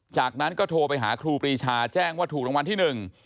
จากนั้นก็โทรไปหาครูปรีชาแจ้งว่าถูกรางวัลที่หนึ่ง